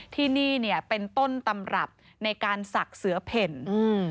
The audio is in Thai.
ที่นี่เนี่ยเป็นต้นตำรับในการศักดิ์เสือเพ่นอืม